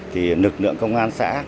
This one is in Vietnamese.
thì lực lượng công an xã